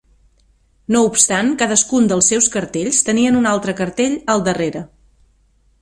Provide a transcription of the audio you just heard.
No obstant, cadascun dels seus cartells tenien un altre cartell al darrere.